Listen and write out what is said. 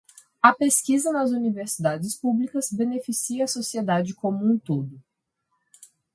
A pesquisa nas universidades públicas beneficia a sociedade como um todo.